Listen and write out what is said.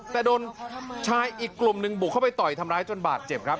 แต่โดนชายอีกกลุ่มหนึ่งบุกเข้าไปต่อยทำร้ายจนบาดเจ็บครับ